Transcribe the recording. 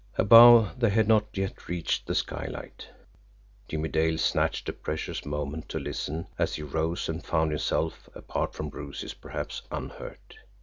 Above, they had not yet reached the skylight. Jimmie Dale snatched a precious moment to listen, as he rose, and found himself, apart from bruises, perhaps unhurt.